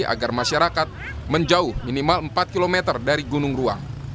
agar masyarakat menjauh minimal empat km dari gunung ruang